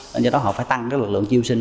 nên do đó họ phải tăng cái lực lượng triêu sinh